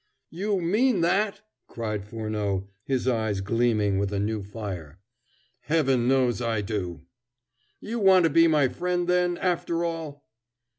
"You mean that?" cried Furneaux, his eyes gleaming with a new fire. "Heaven knows I do!" "You want to be my friend, then, after all?"